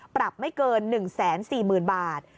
ปรับไม่เกินหนึ่งแสนสี่หมื่นบาท